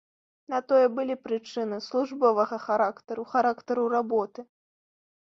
На тое былі прычыны службовага характару, характару работы.